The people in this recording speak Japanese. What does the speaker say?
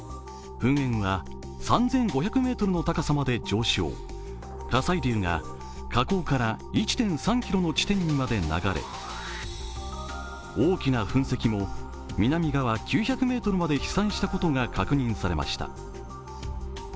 噴煙は３５００ｍの高さまで上昇、火砕流が火口から１．３ｋｍの地点にまで流れ大きな噴石も南側９００ｍまで飛散したことが確認されました。